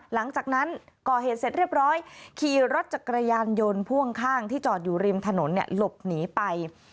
หลังจากนั้นก่อเหตุเสร็จเรียบร้อยขี่รถจักรยานยนต์พ่วงข้างที่จอดอยู่ริมถนนหลบหนีไป